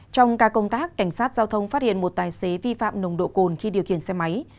trong ca công tác cảnh sát giao thông phát hiện một tài xế vi phạm nồng độ cồn khi điều khiển xe máy